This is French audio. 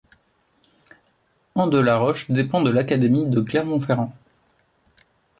Andelaroche dépend de l'académie de Clermont-Ferrand.